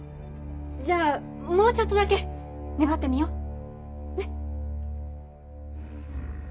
じゃあもうちょっとだけ粘ってみようねっ！